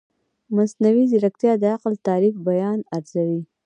مصنوعي ځیرکتیا د عقل تعریف بیا ارزوي.